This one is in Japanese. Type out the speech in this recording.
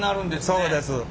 そうです。